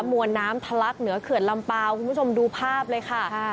มวลน้ำทะลักเหนือเขื่อนลำเปล่าคุณผู้ชมดูภาพเลยค่ะ